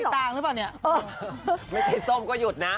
ถ้าไม่ใช่ส้มก็หยุดนะ